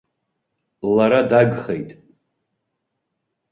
Лара дагхеит.